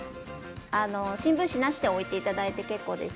新聞紙なしで置いていただいて大丈夫です。